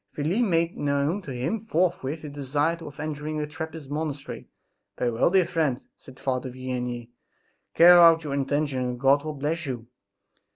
Felix made known to him forthwith his desire of entering a Trappist monastery. "Very well, dear friend," said Father Vianney, "carry out your intention and God will bless you!"